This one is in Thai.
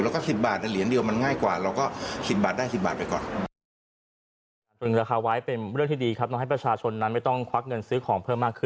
แล้วก็๑๐บาทในเหรียญเดียวมันง่ายกว่าเราก็๑๐บาทได้๑๐บาทไปก่อน